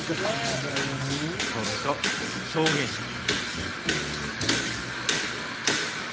それと証言者も。